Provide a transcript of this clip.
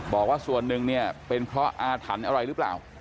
บอกว่าส่วนหนึ่งเนี่ยเป็นเพราะอาถรรพ์อะไรหรือเปล่า